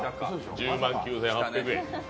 １０万９８００円。